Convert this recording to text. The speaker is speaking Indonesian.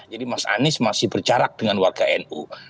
jadi mas anies masih berjarak dengan warga nu